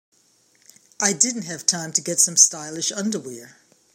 I didn't have time to get some stylish underwear.